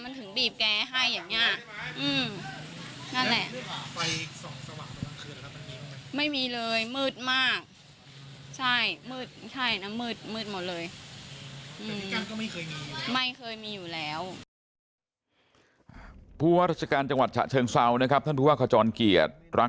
มันถึงบีบแก้ให้อย่างนี้อืมนั่นแหละ